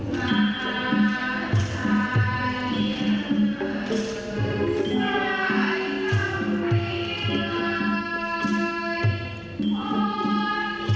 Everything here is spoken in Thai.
สวัสดีครับทุกคน